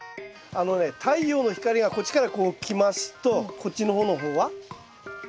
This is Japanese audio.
あのね太陽の光がこっちからこう来ますとこっちの方の方は？